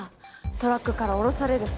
トラックから降ろされるバナナ！